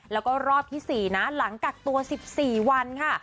แล้วก็รอบที่๔นะหลังกักตัว๑๔วันค่ะ